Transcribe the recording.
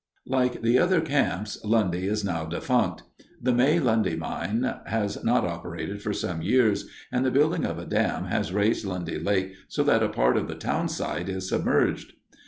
Like the other camps, Lundy is now defunct. The May Lundy Mine has not operated for some years, and the building of a dam has raised Lundy Lake so that a part of the townsite is submerged.